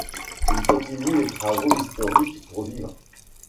Il continue les travaux historiques pour vivre.